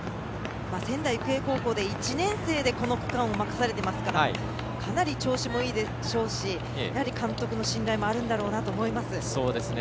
仙台育英高校で１年生でこの区間を任されていますからかなり調子もいいでしょうしやはり監督の信頼もあるんだろうなと思います。